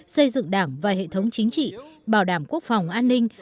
xây dựng đảng và hệ thống chính trị bảo đảm quốc phòng an ninh